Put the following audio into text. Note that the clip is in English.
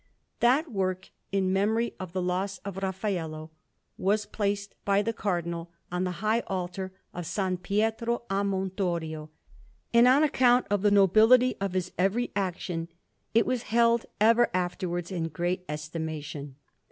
That work, in memory of the loss of Raffaello, was placed by the Cardinal on the high altar of S. Pietro a Montorio; and on account of the nobility of his every action, it was held ever afterwards in great estimation.